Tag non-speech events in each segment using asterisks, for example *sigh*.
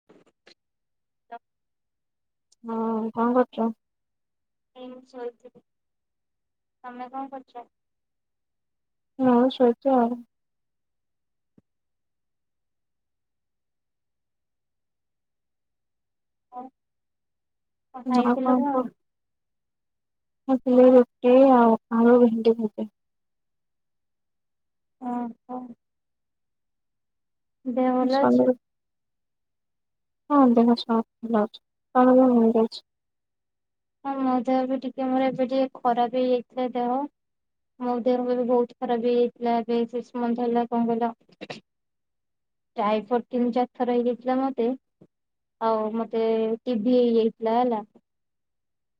*inaudible* ହଁ କଣ କରୁଚ? ଏଇମିତି ଶୋଇଥିଲି, ତମେ କଣ କରୁଚ? ହଁ ଶୋଇଚି ଆଉ। ଅଉ କଣ ଆଉ ଖାଇଥିଲ କଣ? କୁହ? ରୁଟି ଆଉ ଆଳୁ, ଭେଣ୍ଡି ଭଜା। ଅହ। ଦେହ ଭଲ ସନ୍ଧ୍ୟାରେ ଅଛି? ହଁ ଦେହ ସବ ଭଲ ଅଛି ତମ ଦେହ କେମିତି ଅଛି? ହଁ ମୋ ଦେହ ବି ଟିକେ ମୋର ଏବେ ଟିକେ ଖରାପ ହେଇଯାଇଥିଲା ଦେହ। ମୋ ଦେହ ବି ଏବେ ବହୁତ ଖରାପ ହେଇଯାଇଥିଲା ଏବେ ସିକ୍ସ ମନ୍ଥ ହେଲା କଣ କହିଲ ଟାଇଫୋଟ୍ ତିନି ଚାରିଥର ହେଇଯାଇଥିଲା ମୋତେ। ଆଉ ମତେ ଟିଭିି ହେଇ ଯାଇଥିଲା ହେଲା।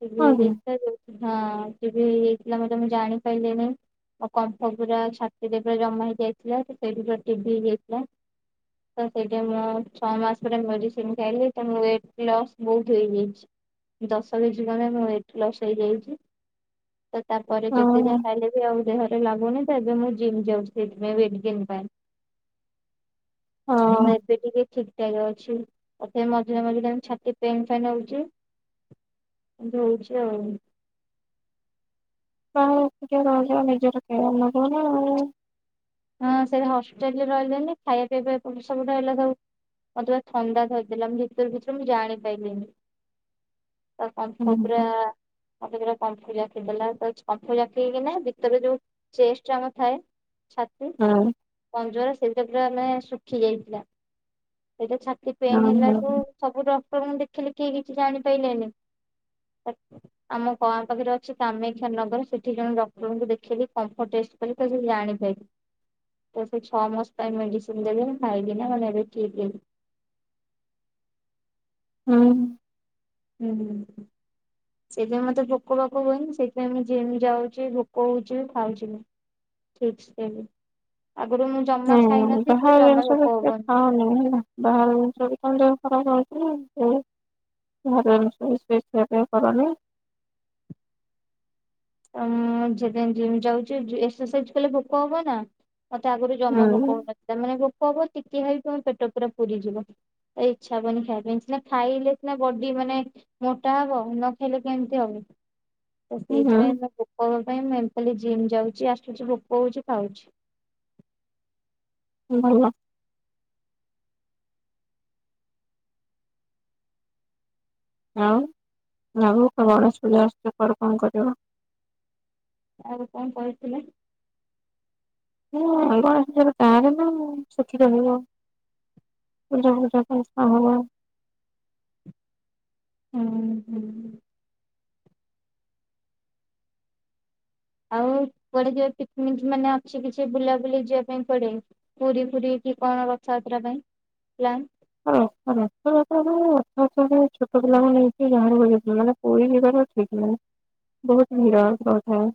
ଟିଭି ହଁ କି? ହେଇଯାଇଥିଲା ହଁ ଟିଭି ହେଇଯାଇଥିଲା ମୋତେ ମୁଁ ଜାଣି ପାଇଲିନି। ଆଉ କମ୍ଫ ପୁରା ଛାତିରେ ପୁରା ଜମା ହେଇଯାଇଥିଲା ସେ ସେଇଢୁ ପୁରା ଟିଭି ହେଇଯାଇଥିଲା। ତ ସେଇଠେ ମୁଁ ଛଅ ମାସ ପରେ ମେଡିସିନ ଖାଇଲି ତ ମୁଁ ୱେଟ ଲସ୍ ବହୁତ ହେଇଯାଇଛି। ଦଶ। *unintelligible* ମର ୱେଟ ଲସ୍ ହେଇଯାଇଛି ତ ତାପରେ ଯେତେ ହଁ ଯାହା ଖାଇଲେ ବି ଆଉ ଦେହରେ ଲାଗୁନି ତ ଏବେ ମୁଁ ଜିମ୍ ଯାଉଚି ସେଇଥିପାଇଁ ୱେଟ ଗେନ ପାଇଁ। *inaudible* ହଁ ସେ ଟିକିଏ ଠିକ ଠାକ ଅଛି ତାପରେ ମଝିରେ ମଝିରେ ଛାତି ପେନ୍ ଫେନ୍ ହଉଚି। ଏମିତି ହଉଚି ଆଉ। ତମେ ଏକୁଟିଆ ରହୁଜ ନିଜର କେୟାର ନବ ନା ଆଉ। ହଁ ସେଇଟା ହଷ୍ଟେଲ ରେ ରହିଲେନି ଖାଇବା ପିଇବା ଏପଟେ ସବୁ *unintelligible* ମତେ ପା ଥଣ୍ଡା ଧରିଥିଲା ମୁ ଭିତରେ ଭିତରେ ମୁଁ ଜାଣି ପାଇଲିନି। *unintelligible* ତା କମ୍ପ ହୁଁ ପୁରା ହଁ ଅଫିସ ରେ କମ୍ଫୁ ଜାକିଦେଲା ତ କମ୍ଫୁ ଜାକିକିନା ଭିତରେ ଯୋଉ ଚେଷ୍ଟ ଆମର ଥାଏ। ଛାତି। ହଁ। ପଞ୍ଜରା ସେଇଟା ପୁରା ନେ ଶୁଖି ଯାଇଥିଲା ସେଇଟା ଛାତି ପେନ୍ ହଁ ହେଲାକୁୁ ସବୁ ଡକ୍ଟରଙ୍କୁ ଦେଖିଲି କେହି କିଛି ଜାଣିପାଇଲେନି ଆମ ଗାଁ ପାଖରେ ଅଛି କାମାକ୍ଷାନଗର ସେଠି ଜଣେ ଡକ୍ଟରଙ୍କୁ ଦେଖେଇଲିି କମ୍ଫର୍ଟ ଟେଷ୍ଟ କଲି ତ ସେଠି ଜାଣିପାଇଲି ତ ସେ ଛଅ ମାସ ପାଇଁ ମେଡିସିନ ଦେବ ମୁ ଖାଇଲି ନା ମାନେ ଏବେ ଠିକ ହେଲି ହୁଁ ହୁଁ ହୁଁ ହୁଁ ସେଇଥିପାଇ ମତେ ଭୋକ ଭୋକ ହୁଏନି ସେଇଥିପାଇଁ ମୁ ଜିମ ଯାଉଛି ଭୋକ ହଉଛି ଖାଉଛି ଠିକ ସେ ଆଗରୁ ମୁଁ ଜମା ହୁଁ ଖାଇନଥିଲି ମତେ ବାହାର ଜମା ଜିନିଷ ତ ଭୋକ ଟିକେ ହବନି। ଖାଅନି ହେଲା ବାହାର ଜିନିଷ ଖାଇଲେ ଦେହ ଖରାପ ହଉଛି ହଉ ଘରେ ଶଇଷା ଟ କରନି *inaudible* ସେଥି ପାଇଁ ଜିମ ଯାଉଚି ଏକ୍ସରସାଇଜ କଲେ ଭୋକ ହବ ନା ମତେ ଆଗରୁ ଜମା ଭୋକ ହଉନଥିଲା ମାନେ ଭୋକ ହବ ଟିକେ ଖାଇକି ତମ ପେଟ ପୁରା ପୁରୀଯିବ ଏ ଇଚ୍ଛା ହବନି ଖାଇବା ପାଇଁ ସିନା ଖାଇଲେ ସିନା ବଡି ମାନେ ମୋଟା ହବ ନ ଖାଇଲେ କେମିତି ହବ ତ ହୁଁ ସେ ଭୋକ ପାଇଁ ମୁଁ ଏମିତି ଜିମ୍ ଯାଉଛି ଆସୁଛି ଭୋକ ହଉଛି ଖାଉଛି ହଁ ଆଉ ଆଗକୁ ଗଣେଶ ପୂଜା ଆସୁଚି କୁଆଡେ କଣ କରିବ ଆଉ କଣ କହିଥିଲେ ହୁଁ ଆଣ ତା ମୁ ଶଖି ରହିବ ପୂଜା ପୂଜା କରି ହ ହୁଁ ହୁଁ ଆଉ କୁଆଡେ ଯିବ ପିକ୍ନିକ ମାନେ ଅଛି କିଛି ବୁଲା ବୁଲି ଯିବା ପାଇଁ ପଡେଇି ପୁରୀ ପୁରୀ କି କଣ ରଥଯାତ୍ରା ପାଇଁ ପଲା ହଁ ରସ ବାସ ର ମା ଛୋଟ ପିଲା ମ ନେଇଇକି ଯାକୁ ଯାଇ ମାନେ ପୁରୀ ଯିବାର ଠିକ ନାହିଁ ବହୁତ ଭିଡ଼ ବହୁତ ହ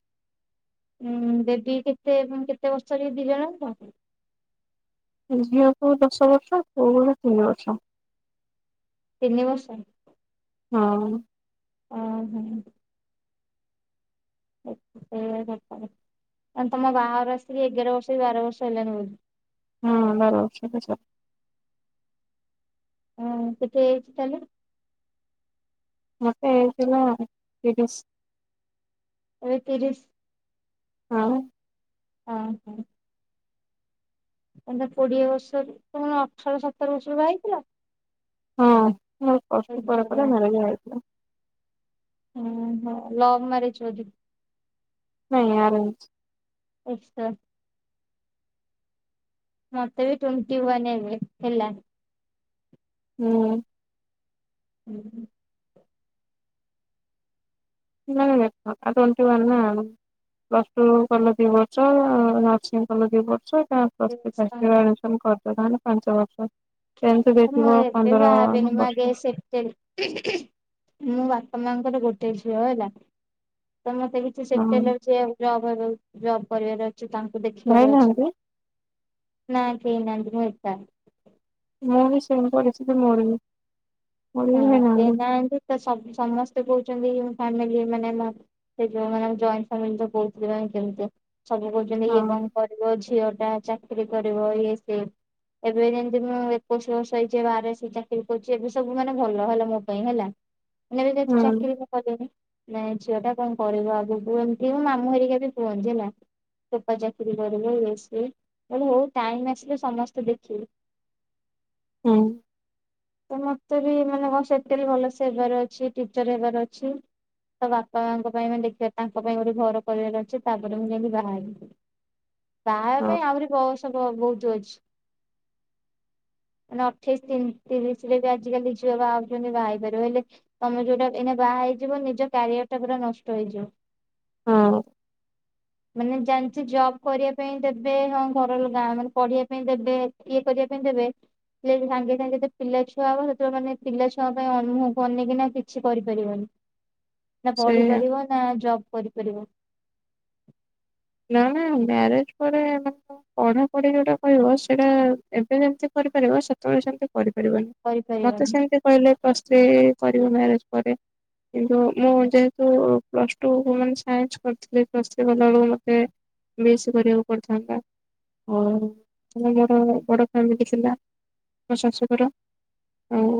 ଉଁ ଦେବୀ କେତେ କେତେ ବର୍ଷରେ ଦି ଜଣ ହନ୍ତି ଝିଅକୁୋଉ ଦଶ ବର୍ଷ ପୋଉଳି ତିନି ବର୍ଷ ତିନି ବର୍ସ ହଁ ଓ ହୋ ସେଇ ତମ ବାହାଘର ଆସି ଏଗାର ବର୍ଷ ବି ବାର ବର୍ଷ ହେଲଣିି ବୋଲି ହଁ ବର ସେ ଚାଲ ହଁ କେତେ ଏଜ୍ ତାହେଲେ ମତେ ହେଇଥିଲା ତିରିଶି ଏବେ ତିରିଶ ହଁ ହଁ ହଁ ଏ କୋଡିଏ ବର୍ଷରୁ ତୁ ମାନେ ଅଠର ସତର ବର୍ଷରୁ ବା ହେଇଥିଲା ହଁ ବ କଷ୍ଟ ପରେ ପରେ ଓହୋ ମରଜଆ ହେଇଥିଲା ହଁ ହ ଲଭ୍ ମ୍ୟାରେଜ ବି ନାାଇଁ ଆରଛି ଆଚ୍ଛା ମତେ ବି ଟ୍ୱେଣ୍ଟି ୱାନ୍ ହେବେ ହେଲଣିି ହୁଁ ହୁଁ *unintelligible* ପସୁ କଲ ଦି ବର୍ଛ ନସିଂ କଲ ଦି ବର୍ଛା *inaudible* କରିଦଥା ପାଞ୍ଚ ବର୍ଷ ଟେନ୍ଥ ମୁଁ ଦେଇଥିବ ଏବେ ପନ୍ଦର ଭବେନି ମଗେ ବର୍ଷ ସେଠ ମୁଁ ବାପା ମାଙ୍କର ଗୋଟେ ଝିଅ ହେଲା ତ ମତେ ବି ହଁ ସେଟେଲ ଜବ ଜବ୍ କରିବାର ଅଛି ତାଙ୍କୁ ଭାଇ ଦେଖିବାର ଅଛି ନାହାନ୍ତି ନାଁ କେନନ୍ତିିନ ଭ ମୁଁ ବି ସେମି କରିଛିି ମୋର ବି ମୋର ହଁ ବି ଭାଇ ସେ ନାହାନ୍ତି ତ ସମସ୍ତେ କହୁଛନ୍ତି ଫାମିଲି ମାନେ ସେ ଯୋଉମାନେ ଜଏଣ୍ଟ ଫାମିଲି ତ କହୁଥିଲେ କେମିତି ସବୁ କହୁଛନ୍ତି ହଁ ଏବଂ କରିବ ଝିଅ ଟା ଚାକିର କରିବ ଇଏ ସ ଏବେ ଯେମିତି ମୁଁ ଏକୋଇଶ ବର୍ଷ ହେଇଛି ବାର ଚାକିରି କରୁଛି ଏବେ ସବୁ ମାନେ ଭଲ ହେଲା ମୋ ପାଇଁ ହେଲାାନ ଏ ଯି ହୁଁ ଚାକିରି କନି ନାଇଁ ଝୁଅଆ ଟା କଣ କରିବ ଆଗକୁ କୁମିତି ମୁଁ ମାମୁଁ ହେରିକା ବି କୁହନ୍ତି ହେଲା ଚୋପା ଚାକିରି କରିବସ ହଉ ଟାଇମ ଆସିଲେ ସମସ୍ତେ ଦେଖିବେ ହୁଁ ତ ମତେ ବି ମାନେ ମ ସେତ ଭଲସ ହେବାର ଅଛି ଟିଚର ହେବାର ଅଛି ତା ବାପା ମାଙ୍କ ପାଇଁ ମାନ ଦେଖିବା ତାଙ୍କ ପାଇଁ ଗୋଟେ ଘର କରିବାର ଅଛି ତାପରେ ମୁଁ ଯାଇକି ବାହାରିଥିଲି *inaudible* ବାହା ହେ ହଁ ପାଇଁ ଆହୁରି ବୟସ ବହୁତ ଅଛି ମାନେ ଅଠେଇଶି ତିରିଶ ରେ ବି ଆଜିକାଲି ଝିଅ ବା ଛନ୍ତି ବା ପାରିୟେ ହେଲେ ତମେ ଯୋଉଟା ଏଇନା ବାହା ହେଇଯିବ ନିଜ କ୍ୟାରିୟର ଟା ପୁରା ନଷ୍ଟ ହେଇଯିବ। ହଁ ମାନେ ଜା କିଛି ଜବ୍ କରିବା ପାଇଁ ଦେବେ ହଁ ଘର ଲୋକ ଗାଁ ମାନେ ପଢିବା ପାଇଁ ଦେବେ ଇଏ କରିବା ପାଇଁ ଦେବେ। ପଲେ ସାଙ୍ଗେ ସାଙ୍ଗେ ତ ପିଲ ଛୁଆ ହଵ। ଛୁଆ ମାନେ ପିଲା ଛୁଆ ପାଇଁ ମୁହଁ କୁ ଅନେଇକିନା କରୁନି କିଛି କରିପାରିବନି ନା ସେଇଆ ପଢିପାରିବେ ନା ଜବ୍ କରିପାରିବ। ନା ନା ମ୍ୟାରେଜ ପରେ ପଢାପଢି ଯୋଉଟା କହିବ ସେଇଟା ଏବେ ଯେମିତି କରିପାରିବ ସେତେବେଳେ ସେମତି କରିପାରିବନି। ମତେ କରିପାରିବନି। ସେମିତି କହିଲେ ପ୍ଲସ ଥ୍ରି କରିବୁ ମ୍ୟାରେଜ ପରେ। କିନ୍ତୁ ମୁଁ ଯେହେତୁ ପ୍ଲସ ଟୁ ମାନେ ସାଇନ୍ସ କରିଥିଲି ପ୍ଲସ ଥ୍ରି କଲା ଏଳକୁ ମ ସେ ବି ଏସ ସି କରିବାକୁ ପଡିଥାନ୍ତା। ହଁ ମୋର ବଡ଼ ଫ୍ୟାମିଲି ଥିଲା ମୋ ଶାଶୁଘର ଆଉ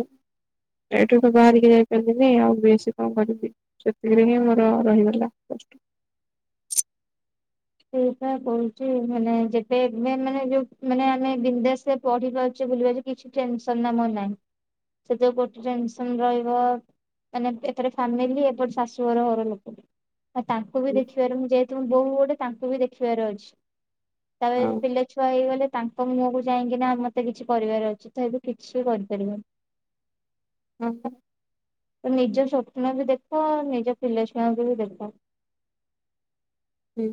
ଏଠୁ ତ ବାହାରିକି ଯାଇପାରିଲିନି ଆଉ ବେଶୀ କଣ କରିବି ସେତିକରେ ହିଁ ମୋର ରହିଗଲା *unintelligible* ସେଇଟା କହୁଛି ମାନେ ଯେବେ ଏବେ ମାନେ ଯୋଉ ମାନେ ଆମେ ବିନ୍ଦାଶରେ ପଢି ପାରୁଛେ ବୁଲି ପାରୁଛେ କିଛି ଟେନସନ ନାମ ନାହିଁ ସେ ଯ ଗୋଟେ ଟେନସନ ରହିବ ମାନେ ଏପରେ ଫ୍ୟାମିଲି ଏପଟ ଶାଶୁ ଘର ଘର ଲୋକ ବି ଆଉ ତାଙ୍କୁ ବି ଦେଖିବାରେ ମୁଁ ଯାଇଥିବ ବୋଉ ଗୋଟେ ତାଙ୍କୁ ବି ଦେଖିବାର ଅଛି ଆଉ ତାପ ପିଲା ଛୁଆ ହେଇଗଲେ ତାଙ୍କ ତ ମୁହଁକୁ ଚାଇଁକି ନା ମତେ କିଛି କରିବାର ଅଛି ତ ଏବେ କିଛି ବି କରିପାରିବିନି। ହୁଁ ହୁଁ। ତ ନିଜ ସ୍ୱପ୍ନ ବି ଦେଖ ନିଜ ପିଲାଛୁଆଙ୍କୁ ବି ଦେଖ। ହୁଁ।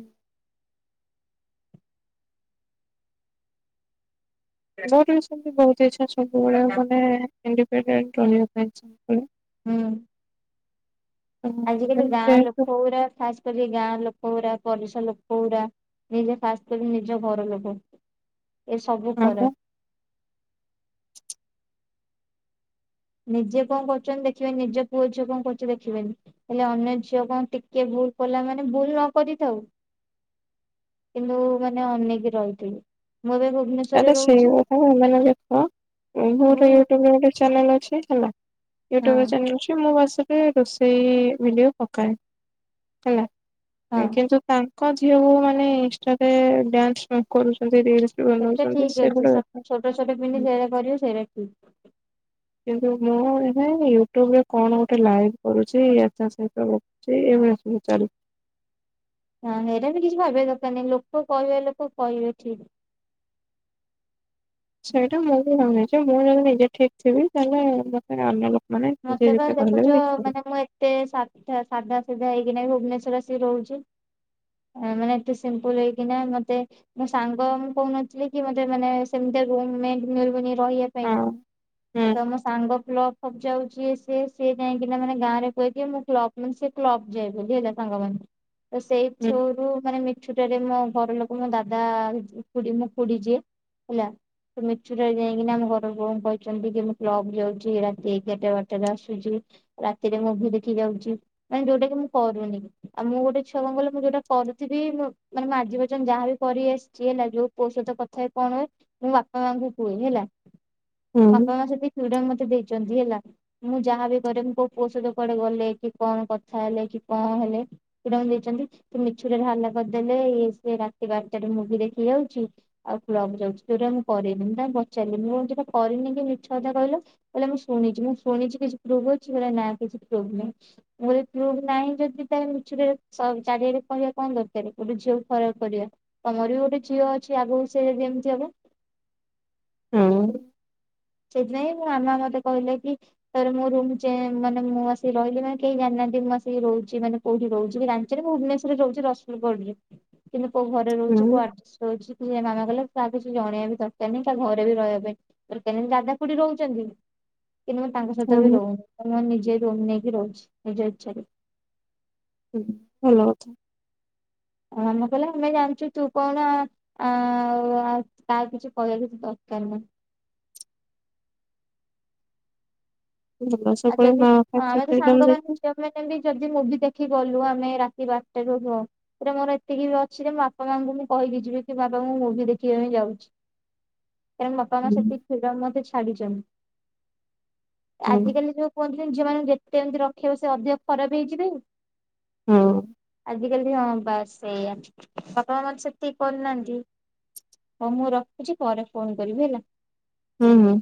ମୋର ବି ସେମିତି ବହୁତ ଇଚ୍ଛା ସବୁବେଳେ ମାନେ ଇଣ୍ଡିପେଣ୍ଡେଣ୍ଟ ରହିବା ପାଇଁ ଚାହେଁ। ହୁଁ। ଆଜିକାଲି ଗାଁ ଯେହେତୁ ଲୋକ ଗୁରା ଖାସ୍ ଯଦି ଗାଁ ଲୋକ ଗୁରା ପରିସା ଲୋକ ଗୁରା ନିଜ ଫାଷ୍ଟ ନିଜ ଘର ଲୋକ ଏ ସବୁ ଫରକ୍ ନିଜେ କଣ କରୁଛନ୍ତି ଦେଖିବେନି ନିଜ ପୁଅ ଝିଅ କଣ କରୁଛ ଦେଖିବେନି। ହେଲେ ଅନ୍ୟ ଝିଅ କଣ ଟିକେ ଭୁଲ କଲା ମାନେ ଭୁଲ ନ କରିଥାଉ କିନ୍ତୁ ମାନେ ଅନେଇକି ରହିଥିଲି ମୁଁ ଏବେ ଭୁବନେଶ୍ଵରରେ ଆରେ ସେଇ ରହୁଛି କଥା ମନେ ଦେଖ ମୋର ମୁଁ ୟୁଟୁବରେ ଗୋଟେ ଚାନେଲ ଅଛି ହେଲା। ହଁ ୟୁଟୁବ ଚ୍ୟାନେଲ ଅଛି ମୁଁ ବସିକି ରୋଷେଇ ଭଡିଓ ପକାଏ ହେଲା ହଁ। କିନ୍ତୁ ତାଙ୍କ ଝିଅକୁ ମାନେ ଇନଷ୍ଟରେ ଡ୍ୟାନ୍ସ କରୁଛନ୍ତି ରିଲସ ବି ବନଉ ସେଟା *unintelligible* ଠିକ ଅଛି ସେଗୁଡା ସ- ଦେଖ ଛୋଟ ଛୋଟ ପନ୍ଧି ସେଟା କରିବେ ସେଇଟା ଠିକ। କିନ୍ତୁ ମୁଁ ଏ ୟୁଟ୍ୟୁବରେ କଣ ଗୋଟେ ଲାଇଭ କରୁଛି ଏଟା ସେଟା ବହୁତ୍ ସେ ଏବେ ସବୁ ଚାଲୁ ନା ଏଇଟା ବି କିଛି ଭାବିବା ଦରକାର ନାହିଁ ଲୋକ କହିବେ ଲୋକ କହିବେ ଠିକ ସେଇଟା ମୁଁ ବି ଜଣଛି ମୁଁ ଯଦି ନିଜେ ଠିକ୍ ଥିବି ତାହେଲେ ମତେ ଅନ୍ୟ ଲୋକ ମାନେ ଯିଏ ମତେ ବା ଯେତେ କହିଲେ ଦେଖୁଛ ବି କିଛି ଫରକ୍ ମାନେ ମୁଁ ଏତେ ସାଧା ସାଧା ସିଧା ହେଇକି ନାଇଁ ଭୁବନେଶ୍ଵର ଆସିକି ରହୁଛି। ମାନେ ଏତେ ସିମ୍ପଲ ହେଇକିନା ମତେ ମୋ ସାଙ୍ଗ ମୁଁ କହୁନଥିଲି କି ମତେ ମାନେ ସେମିତିଆ ରୁମ ମେଣ୍ଟ ମିଳିବେନି ରହିବାକୁ। ଇଁ ହଁ ତମ ସାଙ୍ଗ କ୍ଲବ ଫ୍ଲବ୍ ଯାଉଛି ସିଏ ସଏ ସିଏ ଯାଇକିନା ମାନେ ଗାଁରେ କହେ କି ମୁଁ କ୍ଲବ ମାନେ ସେ କ୍ଲପ ଯାଏ ବୋଲି ସାଙ୍ଗ ମାନେ। ତ ସେଇ ହୁଁ ଥ୍ରୋ ରୁ ମାନେ ମି ଛୁଟରେ ମୋ ଘର ଲୋକ ମୋ ଦାଦା ମୋ ଖୁଡି ଯିଏ ହେଲା। ତ ମିଛୁଟରେ ଯାଇକି ଆମ ଘରଙ୍କୁ କହିଛନ୍ତି କି ମୁଁ କ୍ଲବ ଯାଉଛି ରାତି ଏଗାରଟା ବାର ଟା ରେ ଆସୁଛି ରାତିରେ ମୁଭି ଦେଖି ଯାଉଛି ମାନେ ଯୋଉଟା କି ମୁଁ କରୁନି। ଆଉ ମୁଁ ଗୋଟେ ଛୁଆ କନ୍ କହିଲ ମୁଁ ଯୋଉଟା କରୁଥିବି ମୁଁ ମାନେ ମୁଁ ଆଜି ପର୍ଯ୍ୟନ୍ତ ଯାହାବି କରି ଆସିଛି ହେଲା ଯୋଉ ପୁଅ ସହ କଥା କଣ ହୁଏ ମୁଁ ବାପା ମାଆଙ୍କୁ କୁହେ ହେଲା, ମୋ ହୁଁ ବାପା ମାଆ ସେତିକି ଫ୍ରିଡମ୍ ମୋତେ ଦେଇଛନ୍ତି ହେଲା। ମୁଁ ଯାହା ବି କରେ, ମୁଁ କେଉଁ ପୁଅ ସହିତ କୁଆଡ଼େ ଗଲେ କି, କଣ କଥା ହେଲେ କି, କଣ ହେଲେ ଫ୍ରିଡମ୍ ଦେଇଛନ୍ତି। ତୁ ମିଛରେ ହଲ୍ଲା କରିଦେଲେ ଇଏ ସିଏ, ରାତି ବାରଟାରେ ମୁଭି ଦେଖି ଯାଉଛି। ଆଉ କ୍ଲବ୍ ଯାଉଛି, ଯେଉଁଟା କି ମୁଁ କରିନି। ମୁଁ ତାଙ୍କୁ ପଚାରିଲି, ମୁଁ ଯାହା କରିନି, କାହିଁକି ମିଛ କଥା କହିଲ? କହିଲେ, ମୁଁ ଶୁଣିଛି, ମୁଁ ଶୁଣିଛି କିଛି ପ୍ରୁଫ୍ ଅଛି? କହିଲେ, ନା, କିଛି ପ୍ରୁଫ୍ ନାହିଁ। ମୁଁ କହିଲି ପ୍ରୁଫ୍ ନାହିଁ ଯଦି ତାହେଲେ ମିଛରେ ଚାରିଆଡ଼େ କହିବା କଣ ଦରକାର, ଗୋଟେ ଝିଅକୁ ଖରାପ କରିବା। ତମର ବି ଗୋଟେ ଝିଅ ଅଛି ଆଗକୁ ସେ ଯଦି ଏମିତି ହବ ହଁ! ସେଥିପାଇଁ ମୋ ମାମା ମତେ କହିଲା କି ତାପରେ ମୋ ର ମାନେ ମୁଁ ଆସି ରହିଲି ମାନେ କେହି ଜାଣିନାହାନ୍ତି। ମୁଁ ଆସିକି ରହୁଛି ମାନେ କୋଉଠି ରହୁଛ କି? ଭୁବନେଶ୍ୱରରେ ରହୁଛି ରସୁଲଗଡରେ କିନ୍ତୁ କେଉଁଠି ରହିଛି, ହୁଁ କେଉଁ ଆଡ୍ରେସ୍ ରହିଛି କି, ମାମା କହିଲା କାହାକୁ କିଛି ଜଣେଇବା ବି ଦରକାର ନାହିଁ, କାହା ଘରେ ବି ରହିବା ପାଇଁ କାହିଁକି ଦାଦା ଖୁଡି ରହୁଛନ୍ତି କିନ୍ତୁ ମୁଁ ତାଙ୍କ ସହିତ ବି ହୁଁ ରହୁନି। ମୁଁ ନିଜେ ରୁମ ନେଇକି ରହୁଛି ନିଜ ଇଚ୍ଛାରେ। ହୁଁ ଭଲ କଥା। ମାମା କହିଲା ଆମେ ଜାଣିଛୁ ତୁ କଣ ଆ ଆଉ ତ କିଛି କହିବାକୁ ଦରକାର ନାହିଁ। ଭଲ ଆଉ ସବୁବେଳେ ଯଦି ମା ବାପା ଏତେ ଆମେ ତ ଫ୍ରିଡମ ଦେଇଛନ୍ତି। ସାଙ୍ଗମାନେ ଝିଅ ମାନେ ବି ଯଦି ମୁଭି ଦେଖି ଗଲୁ ଆମେ ରାତି ବାରଟା ରୁ ହ ରେ ମୋର ଏତିକି ବି ଅଛି ଯେ ମୋ ବାପା ମାଆଁଙ୍କୁ ମୁଁ କହିକି ଯିବି କି ବାପା ମୁଁ ମୁଭି ଦେଖିବା ପାଇଁ ଯାଉଛି। *inaudible* କାରଣ ବାପା ମାଆ ହୁଁ ସେତିକି ଫ୍ରିଡମ୍ ମୋତେ ଛାଡ଼ିଛନ୍ତି। ହୁଁ ଆଜିିକାଲି ଯେଉଁ କୁହନ୍ତିନି ଝିଅମାନଙ୍କୁ ଯେତେ ଏମିତି ରଖିବ, ସେ ଅଧିକ ଖରାପ ହେଇଯିବେ। ହଁ! ଆଜିକାଲି ହଁ! ବାସ୍ ସେଆ। ବାପ ମା ମାନ ସେତିକି କରି ନାହାନ୍ତି। ହଉ ମୁଁ ରଖୁଛି। ପରେ ଫୋନ କରିବି ହେଲା। ହୁଁ ହୁଁ!